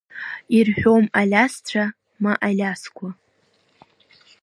Ирҳәом Алиасцәа ма Алиасқәа.